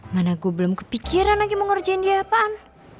mana gue belum kepikiran lagi mau ngerjain di apaan